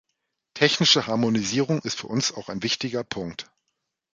Technische Harmonisierung ist für uns auch ein wichtiger Punkt.